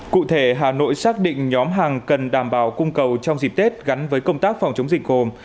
cụ thể hà nội xác định nhóm hàng cần đảm bảo cung cầu trong dịp tết gắn với công tác phòng chống dịch gồm